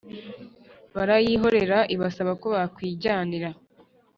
barayihobera, ibasaba ko bakwijyanira.